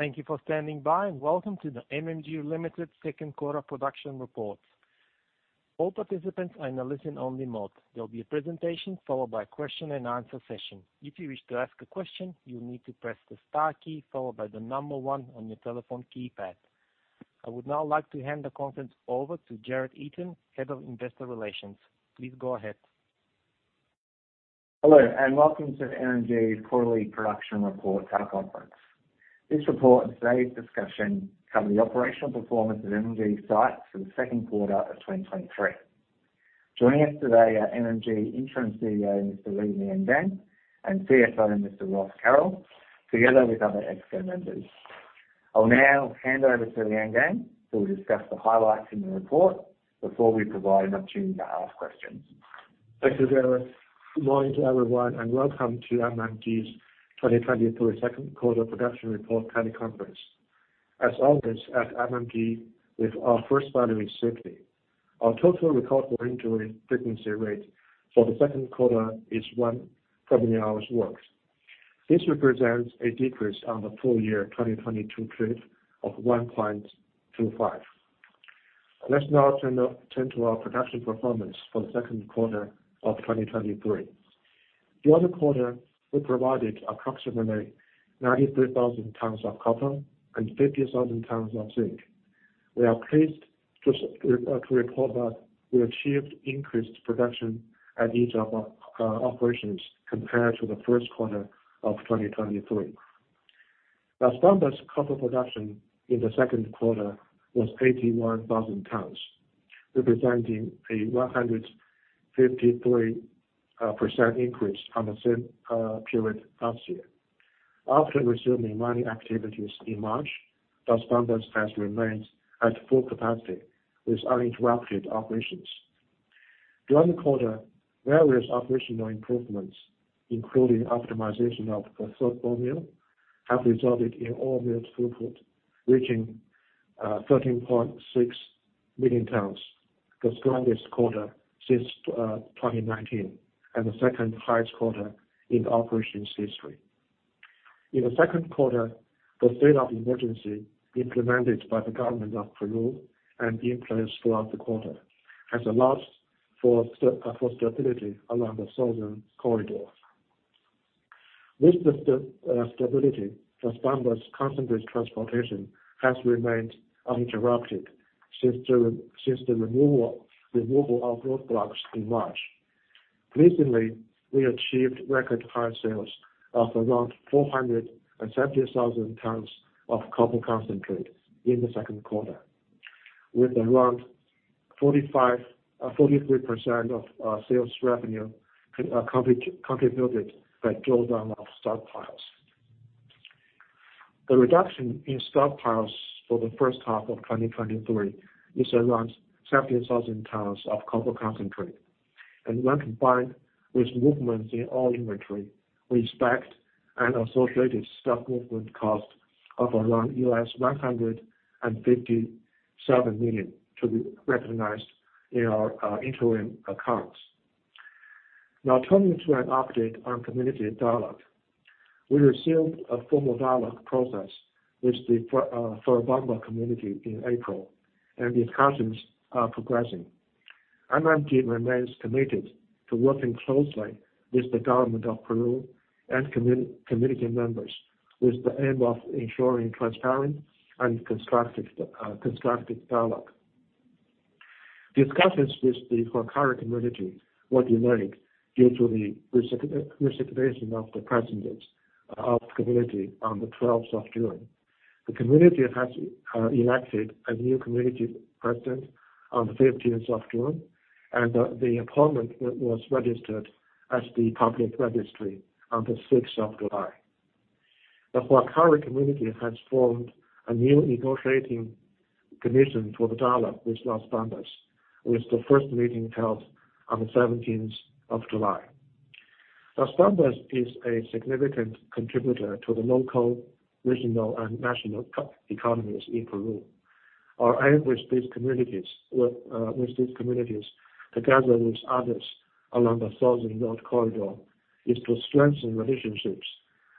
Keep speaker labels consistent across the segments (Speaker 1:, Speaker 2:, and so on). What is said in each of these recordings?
Speaker 1: Thank you for standing by. Welcome to the MMG Limited Second Quarter Production Report. All participants are in a listen-only mode. There will be a presentation followed by a question-and-answer session. If you wish to ask a question, you'll need to press the star key followed by one on your telephone keypad. I would now like to hand the conference over to Jarod Esam, Head of Investor Relations. Please go ahead.
Speaker 2: Hello, and welcome to MMG's Quarterly Production Report teleconference. This report and today's discussion cover the operational performance of MMG sites for the second quarter of 2023. Joining us today are MMG Interim CEO, Mr. Li Liangang, and CFO, Mr. Ross Carroll, together with other Exco members. I'll now hand over to Liangang, who will discuss the highlights in the report before we provide an opportunity to ask questions.
Speaker 3: Thank you, Jarrod. Good morning to everyone, welcome to MMG's 2023 second quarter production report teleconference. As always, at MMG, with our first value is safety. Our Total Recordable Injury Frequency Rate for the second quarter is 100 hours worked. This represents a decrease on the full year 2022 period of 1.25. Let's now turn to our production performance for the second quarter of 2023. The other quarter, we provided approximately 93,000 tons of copper and 50,000 tons of zinc. We are pleased to report that we achieved increased production at each of our operations compared to the first quarter of 2023. Las Bambas copper production in the second quarter was 81,000 tons, representing a 153% increase on the same period last year. After resuming mining activities in March, Las Bambas has remained at full capacity with uninterrupted operations. During the quarter, various operational improvements, including optimization of the third ball mill, have resulted in all mill throughput, reaching 13.6 million tons, the strongest quarter since 2019, and the second-highest quarter in the operation's history. In the second quarter, the state of emergency implemented by the government of Peru and in place throughout the quarter, has allowed for stability along the southern corridor. With the stability, Las Bambas concentrate transportation has remained uninterrupted since the removal of roadblocks in March. Pleasingly, we achieved record high sales of around 470,000 tons of copper concentrate in the second quarter, with around 43% of sales revenue contributed by drawdown of stockpiles. The reduction in stockpiles for the first half of 2023 is around 70,000 tons of copper concentrate, and when combined with movements in all inventory, we expect an associated stock movement cost of around $957 million to be recognized in our interim accounts. Now turning to an update on community dialogue. We received a formal dialogue process with the Fuerabamba community in April, and these conversations are progressing. MMG remains committed to working closely with the government of Peru and community members, with the aim of ensuring transparent and constructive dialogue. Discussions with the Huancuire community were delayed due to the recitation of the presidents of the community on the 12th of June. The community has elected a new community president on the 15th of June, and the appointment was registered as the public registry on the 6th of July. The Huancuire community has formed a new negotiating commission for the dialogue with Las Bambas, with the first meeting held on the 17th of July. Las Bambas is a significant contributor to the local, regional, and national co- economies in Peru. Our aim with these communities, with these communities, together with others along the Southern Road Corridor, is to strengthen relationships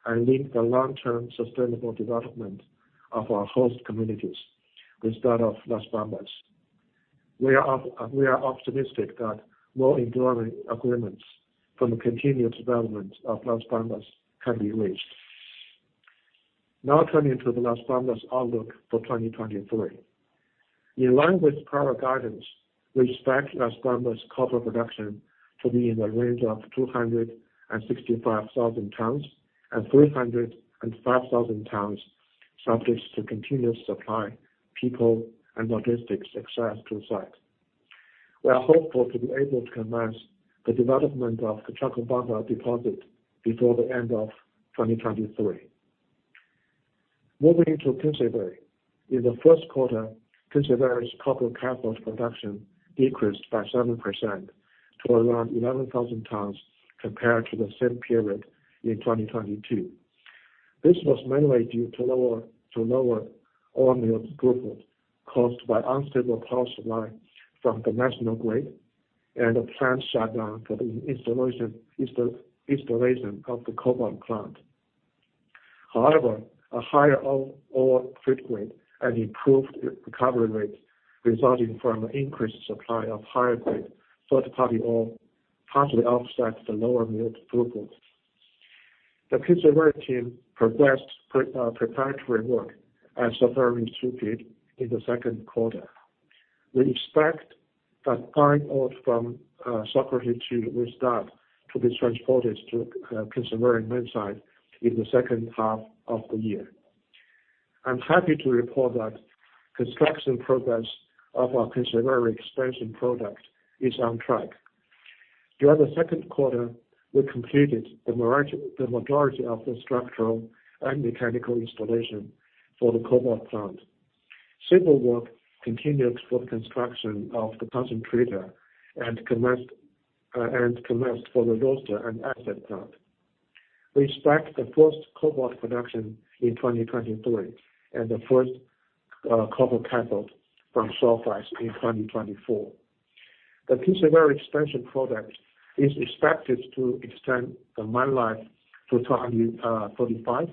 Speaker 3: and lead the long-term sustainable development of our host communities with that of Las Bambas. We are optimistic that more enduring agreements from the continued development of Las Bambas can be reached. Now turning to the Las Bambas outlook for 2023. In line with prior guidance, we expect Las Bambas copper production to be in the range of 265,000 tons and 305,000 tons, subject to continuous supply, people, and logistics access to site. We are hopeful to be able to commence the development of the Shahuindo deposit before the end of 2023. Moving into Kinsevere. In the first quarter, Kinsevere's copper cathode production decreased by 7% to around 11,000 tons, compared to the same period in 2022. This was mainly due to lower ore mill throughput, caused by unstable power supply from the national grid and a plant shutdown for the installation of the cobalt plant. However, a higher ore feed grade and improved recovery rate resulting from an increased supply of higher grade third-party ore partially offset the lower milled throughput. The Kinsevere team progressed preparatory work at Sokoroshe II in the second quarter. We expect the mine ore from Sokoroshe II to restart, to be transported to Kinsevere mine site in the second half of the year. I'm happy to report that construction progress of our Kinsevere Expansion Project is on track. During the second quarter, we completed the majority of the structural and mechanical installation for the cobalt plant. Civil work continued for the construction of the concentrator and commenced for the roaster and acid plant. We expect the first cobalt production in 2023, and the first copper cathode from sulfides in 2024. The Kinsevere Expansion Project is expected to extend the mine life to 2035,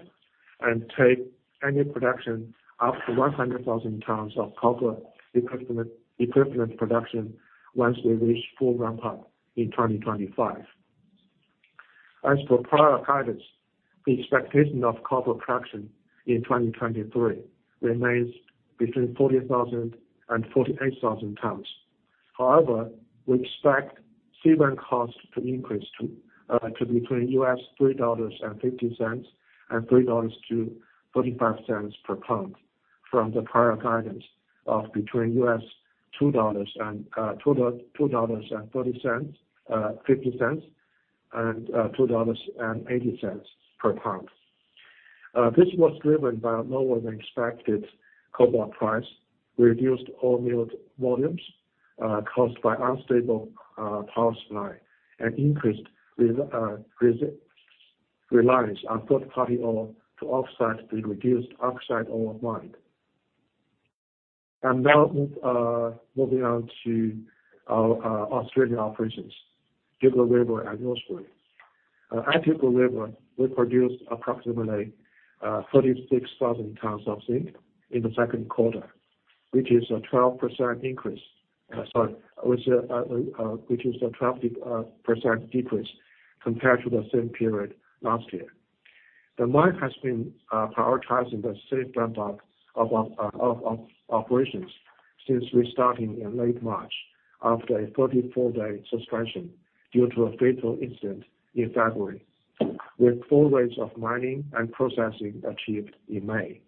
Speaker 3: and take annual production up to 100,000 tons of copper equivalent production once we reach full ramp up in 2025. As for prior guidance, the expectation of copper production in 2023 remains between 40,000 tons and 48,000 tons. We expect C1 cost to increase to between $3.50 and $3.35 per pound, from the prior guidance of between $2.00 and $2.30, $0.50, and $2.80 per pound. This was driven by a lower than expected cobalt price, reduced ore milled volumes, caused by unstable power supply, and increased reliance on third-party ore to offset the reduced oxide ore mined. Now, moving on to our Australian operations, Dugald River and Rosebery. At Dugald River, we produced approximately 36,000 tons of zinc in the second quarter, which is a 12% increase. Sorry, which is a 12% decrease compared to the same period last year. The mine has been prioritizing the safe ramp-up of operations since restarting in late March after a 44-day suspension due to a fatal incident in February, with full rates of mining and processing achieved in May.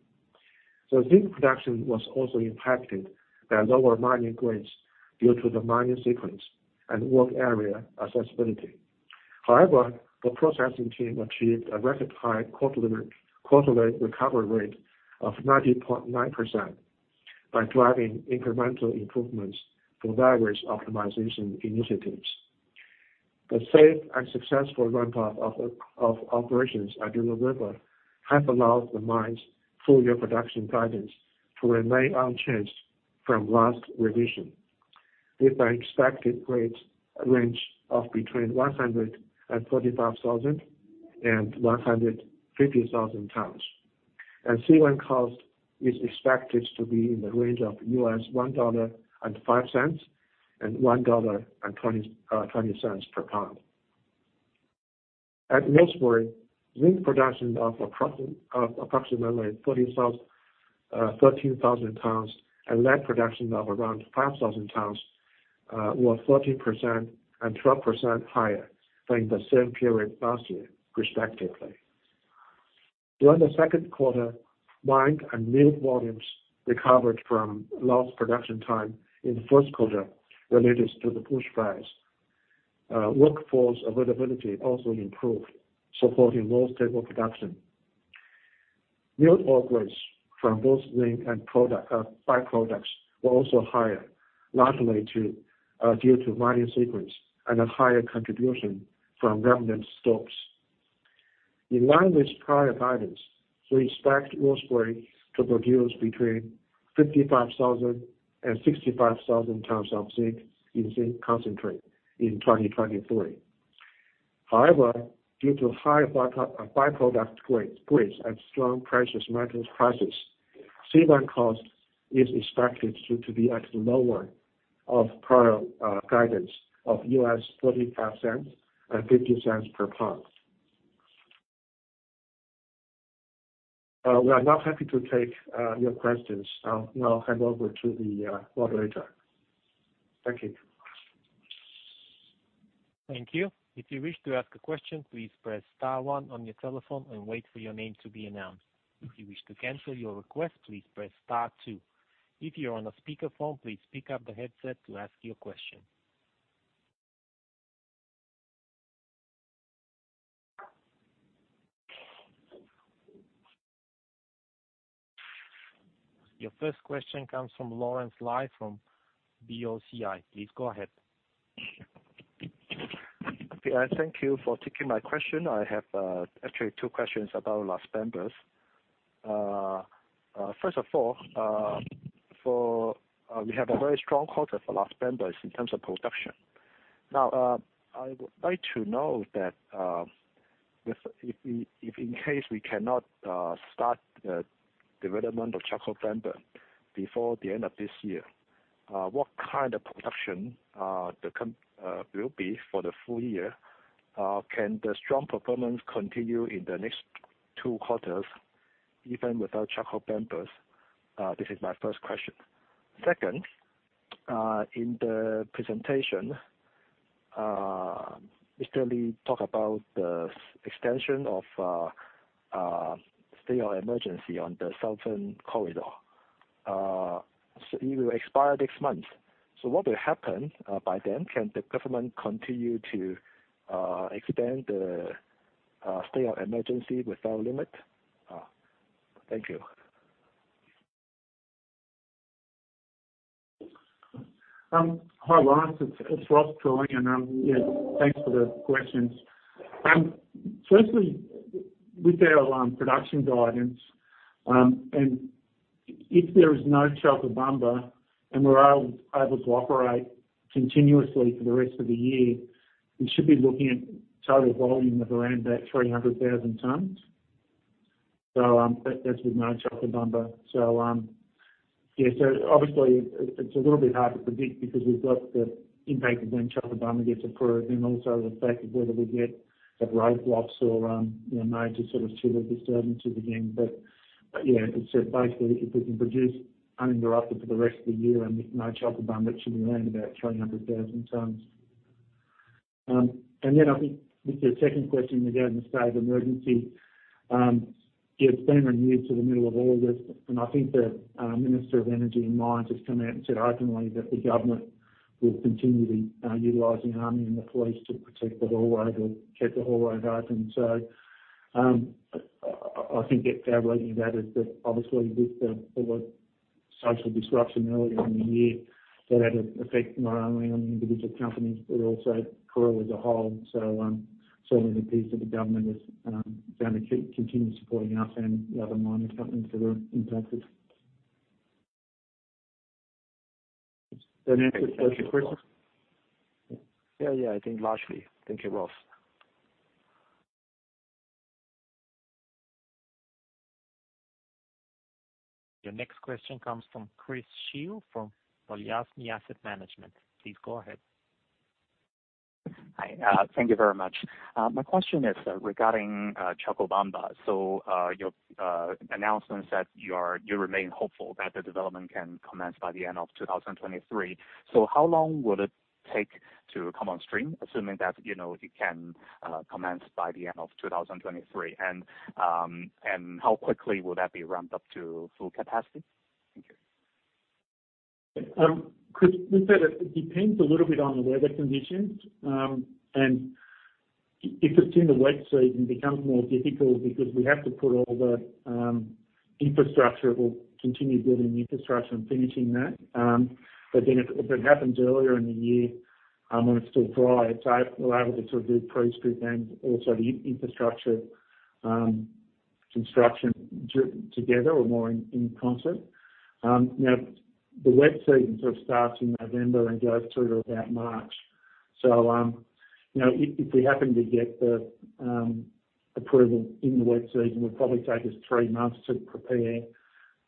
Speaker 3: The zinc production was also impacted by lower mining grades due to the mining sequence and work area accessibility. However, the processing team achieved a record high quarterly recovery rate of 90.9% by driving incremental improvements through various optimization initiatives. The safe and successful ramp-up of operations at Dugald River have allowed the mine's full year production guidance to remain unchanged from last revision, with an expected grade range of between 135,000 tons and 150,000 tons. C1 cost is expected to be in the range of $1.05 and $1.20 per pound. At Rosebery, zinc production of approximately 13,000 tons and lead production of around 5,000 tons were 13% and 12% higher than the same period last year, respectively. During the second quarter, mined and milled volumes recovered from lost production time in the first quarter related to the bushfires. Workforce availability also improved, supporting more stable production. Milled ore grades from both zinc and product byproducts were also higher, largely due to mining sequence and a higher contribution from remnant stopes. In line with prior guidance, we expect Rosebery to produce between 55,000 tons and 65,000 tons of zinc in zinc concentrate in 2023. Due to higher byproduct grades and strong precious metals prices, C1 cost is expected to be at the lower of prior guidance of $0.45 and $0.50 per pound. We are now happy to take your questions. I'll hand over to the moderator. Thank you.
Speaker 1: Thank you. If you wish to ask a question, please press star one on your telephone and wait for your name to be announced. If you wish to cancel your request, please press star two. If you're on a speakerphone, please pick up the headset to ask your question. Your first question comes from Lawrence Lau from BOCI. Please go ahead.
Speaker 4: Okay, thank you for taking my question. I have actually two questions about Las Bambas. First of all, for, we have a very strong quarter for Las Bambas in terms of production. I would like to know that, if in case we cannot start the development of Chalcobamba before the end of this year, what kind of production will be for the full year? Can the strong performance continue in the next two quarters, even without Chalcobamba? This is my first question. Second, in the presentation, Mr. Li talked about the extension of state of emergency on the southern corridor. It will expire this month. What will happen by then? Can the government continue to extend the state of emergency without limit? Thank you.
Speaker 5: Hi, Lawrence. It's Ross calling, yeah, thanks for the questions. Firstly, with our production guidance, if there is no Chalcobamba, and we're able to operate continuously for the rest of the year, we should be looking at total volume of around about 300,000 tons. That's with no Chalcobamba. Yeah, obviously, it's a little bit hard to predict because we've got the impact of when Chalcobamba gets approved and also the effect of whether we get the road blocks or, you know, major sort of civil disturbances again. Yeah, basically, if we can produce uninterrupted for the rest of the year and no Chalcobamba, it should be around about 300,000 tons. I think with your second question regarding the state of emergency, it's been renewed to the middle of August, and I think the Minister of Energy and Mines has come out and said openly that the government will continue to utilize the army and the police to protect the hallway, to keep the hallway open. I think get fair warning about is that obviously with the social disruption earlier in the year, that had an effect not only on the individual companies, but also Peru as a whole. Certainly the piece that the government is going to continue supporting us and the other mining companies that are impacted. Does that answer your question?
Speaker 4: Yeah, I think largely. Thank you, Ross.
Speaker 1: Your next question comes from Chris Xu from Balyasny Asset Management. Please go ahead.
Speaker 6: Hi. Thank you very much. My question is regarding Chalcobamba. Your announcement that you are-- you remain hopeful that the development can commence by the end of 2023. How long will it take to come on stream, assuming that, you know, it can commence by the end of 2023? How quickly will that be ramped up to full capacity? Thank you.
Speaker 5: Chris, look, that it depends a little bit on the weather conditions. If it's in the wet season, it becomes more difficult because we have to put all the infrastructure. We'll continue building the infrastructure and finishing that. If it happens earlier in the year, when it's still dry, so we're able to sort of do pre-strip and also the infrastructure, construction together or more in concert. You know, the wet season sort of starts in November and goes through to about March. You know, if we happen to get the approval in the wet season, it would probably take us three months to prepare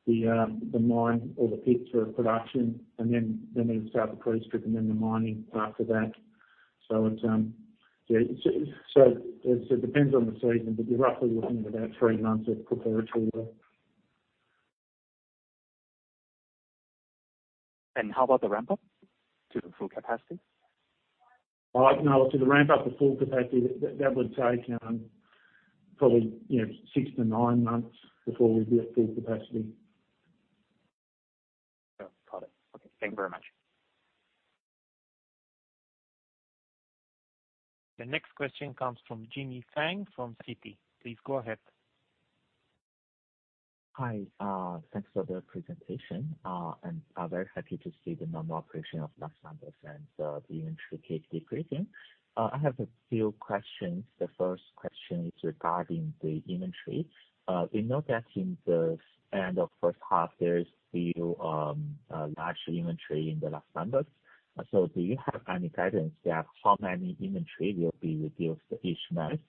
Speaker 5: the mine or the pit for production, and then we start the pre-strip and then the mining after that. It's, yeah. It depends on the season, but you're roughly looking at about three months of preparatory work.
Speaker 6: How about the ramp-up to the full capacity?
Speaker 5: No, to the ramp-up to full capacity, that would take, probably, you know, six to nine months before we'd be at full capacity.
Speaker 6: Oh, got it. Okay, thank you very much.
Speaker 1: The next question comes from Jimmy Feng from Citi. Please go ahead.
Speaker 7: Hi, thanks for the presentation. I'm very happy to see the normal operation of Las Bambas and the inventory decreasing. I have a few questions. The first question is regarding the inventory. We know that in the end of first half, there is still large inventory in the Las Bambas. Do you have any guidance there, how many inventory will be reduced each month,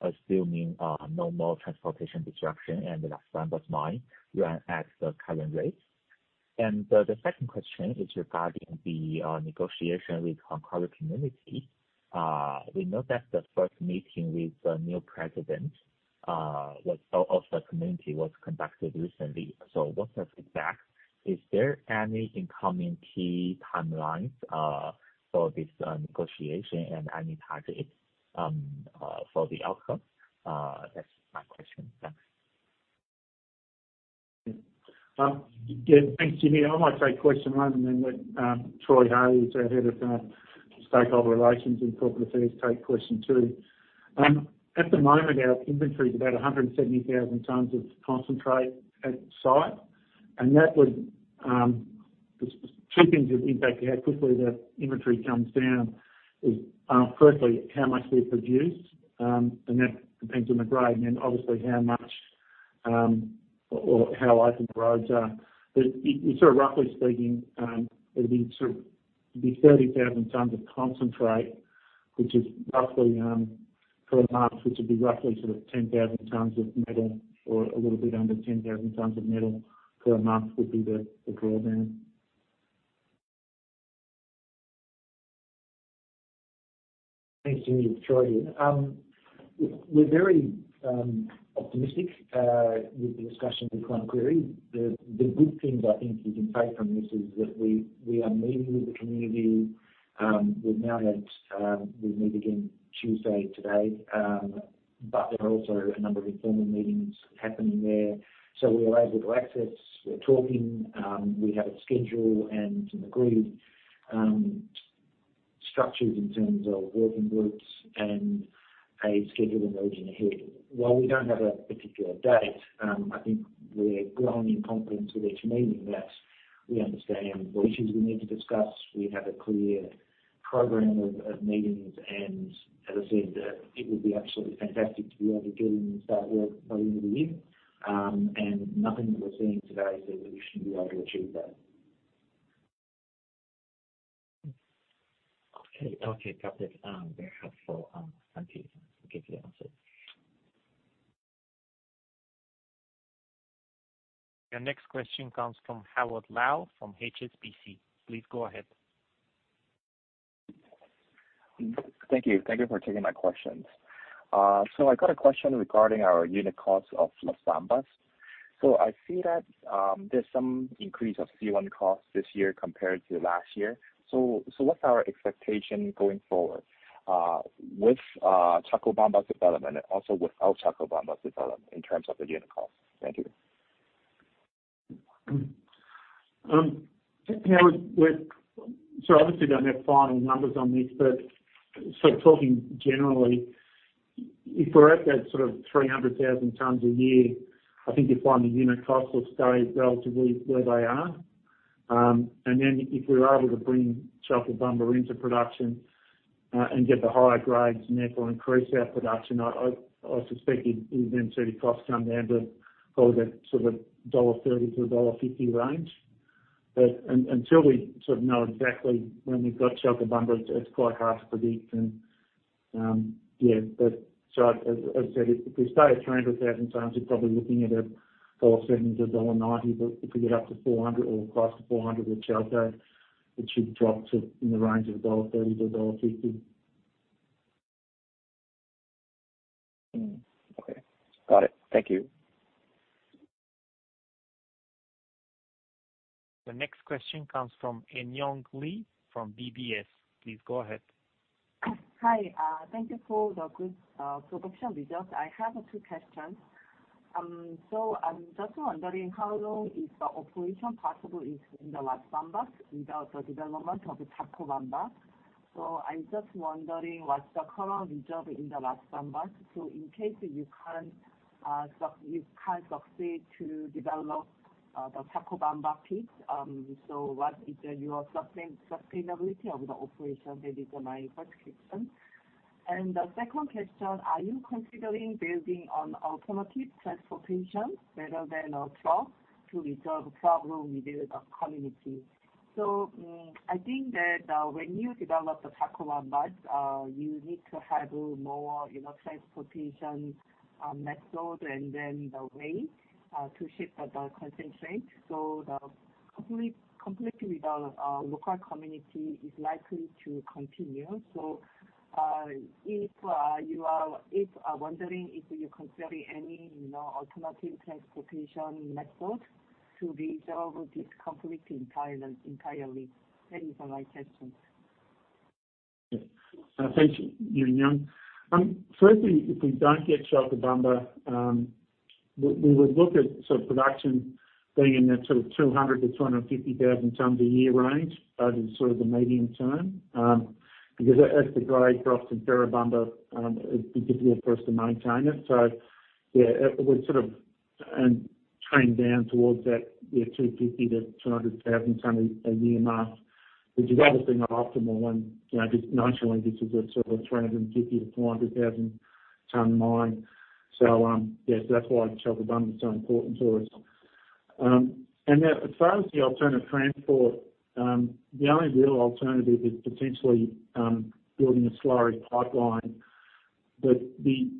Speaker 7: assuming no more transportation disruption and the Las Bambas mine run at the current rate? The second question is regarding the negotiation with Huancuire community. We know that the first meeting with the new president of the community was conducted recently. What's the feedback? Is there any incoming key timelines for this negotiation and any target for the outcome? That's my question. Thanks.
Speaker 5: Yeah, thanks, Jimmy. I might take question one, and then let Troy Hey, who's our Head of Stakeholder Relations and Corporate Affairs, take question two. At the moment, our inventory is about 170,000 tons of concentrate at site. There's two things that impact how quickly the inventory comes down is, firstly, how much we produce, and that depends on the grade, and then obviously how much, or how open the roads are. It sort of roughly speaking, it'll be sort of 30,000 tons of concentrate, which is roughly per month, which would be roughly sort of 10,000 tons of metal or a little bit under 10,000 tons of metal per month, would be the drawdown.
Speaker 8: Thanks, Jimmy. Troy here. We're very optimistic with the discussions with Huancuire The good things I think we can take from this is that we are meeting with the community. We've now had, we meet again Tuesday, today. There are also a number of informal meetings happening there. We are able to access, we're talking, we have a schedule and an agreed structures in terms of working groups and a schedule emerging ahead. While we don't have a particular date, I think we're growing in confidence with each meeting that we understand the issues we need to discuss. We have a clear program of meetings. As I said, it would be absolutely fantastic to be able to get in and start work by the end of the year. Nothing that we're seeing today says that we shouldn't be able to achieve that.
Speaker 7: Okay. Okay, got it. Very helpful. Thank you. Give you the answer.
Speaker 1: Your next question comes from Howard Lau, from HSBC. Please go ahead.
Speaker 9: Thank you. Thank you for taking my questions. I got a question regarding our unit cost of Las Bambas. I see that there's some increase of C1 costs this year compared to last year. What's our expectation going forward with Chalcobamba development and also without Chalcobamba development in terms of the unit cost? Thank you.
Speaker 5: Howard, so obviously don't have final numbers on this, but so talking generally, if we're at that sort of 300,000 tons a year, I think you'll find the unit costs will stay relatively where they are. If we're able to bring Chalcobamba into production, and get the higher grades and therefore increase our production, I suspect you then see the costs come down to probably that sort of a $1.30-$1.50 range. Until we sort of know exactly when we've got Chalcobamba, it's quite hard to predict. As I said, if we stay at 300,000 tons, we're probably looking at $1.70-$1.90, if we get up to 400,000 tons or across the 400,000 tons with Chalco, it should drop to in the range of $1.30-$1.50.
Speaker 9: Okay. Got it. Thank you.
Speaker 1: The next question comes from Eun Young Lee, from DBS. Please go ahead.
Speaker 10: Hi, thank you for the good production results. I have two questions. I'm just wondering, how long is the operation possible in the Las Bambas without the development of the Chalcobamba? I'm just wondering, what's the current result in the Las Bambas? In case you can't succeed to develop the Chalcobamba piece, so what is the your sustainability of the operation? That is my first question. The second question, are you considering building on alternative transportation rather than a truck, to resolve the problem with the community? I think that when you develop the Chalcobamba, you need to have more, you know, transportation method and then the way to ship the concentrate. The conflict with the local community is likely to continue. if you are wondering if you consider any, you know, alternative transportation method to resolve this conflict entirely. That is my questions?
Speaker 5: Yeah. Thank you, Eun Young. Firstly, if we don't get Chalcobamba, we would look at sort of production being in the sort of 200,000 tons-250,000 tons a year range. That is sort of the medium term, because as the grade drops in Ferrobamba, it'd be difficult for us to maintain it. Yeah, it would sort of trend down towards that, yeah, 250,000 tons-200,000 tons a year mark, which is obviously not optimal. You know, just naturally, this is a sort of 350,000 tons-400,000 ton mine. Yeah, so that's why Chalcobamba is so important to us. As far as the alternative transport, the only real alternative is potentially building a slurry pipeline. The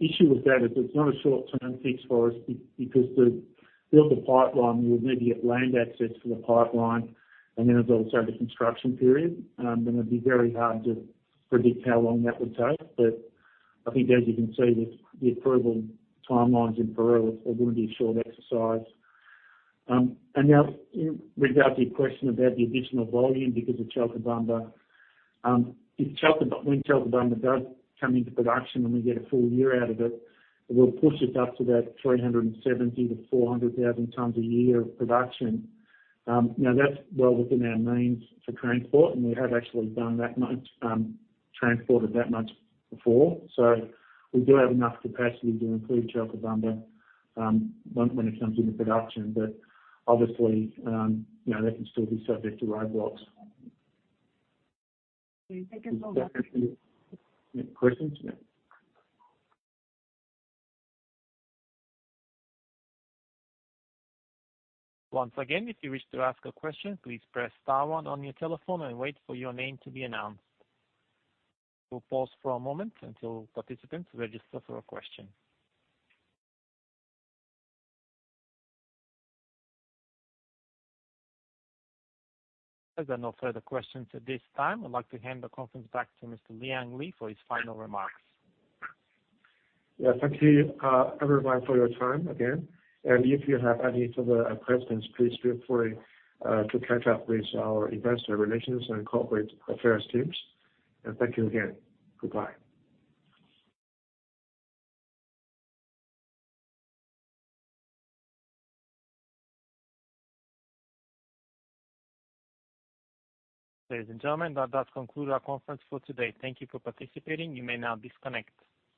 Speaker 5: issue with that is it's not a short-term fix for us, because to build the pipeline, we would need to get land access for the pipeline, and then there's also the construction period. Then it'd be very hard to predict how long that would take. I think as you can see, the approval timelines in Peru, it wouldn't be a short exercise. Now in regard to your question about the additional volume because of Chalcobamba, when Chalcobamba does come into production, and we get a full year out of it will push it up to about 370,000 tons-400,000 tons a year of production. You know, that's well within our means for transport, and we have actually done that much, transported that much before. We do have enough capacity to include Chalcobamba, when it comes into production. Obviously, you know, that can still be subject to roadblocks.
Speaker 10: Okay, thank you so much.
Speaker 5: Any questions?
Speaker 1: Once again, if you wish to ask a question, please press star one on your telephone and wait for your name to be announced. We'll pause for a moment until participants register for a question. There are no further questions at this time. I'd like to hand the conference back to Mr. Liangang Li for his final remarks.
Speaker 3: Yeah. Thank you, everyone, for your time again. If you have any further questions, please feel free to catch up with our investor relations and corporate affairs teams. Thank you again. Goodbye.
Speaker 1: Ladies and gentlemen, that does conclude our conference for today. Thank you for participating. You may now disconnect.